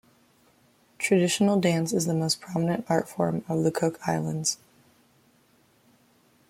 Traditional dance is the most prominent art form of the Cook Islands.